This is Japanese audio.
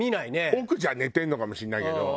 奥じゃ寝てるのかもしれないけど。